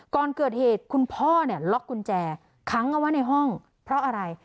ก่อนเกิดเหตุคุณพ่อเนี่ยล็อกกุญแจขังเอาไว้ในห้องเพราะอะไร